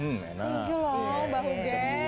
makasih loh mbak huges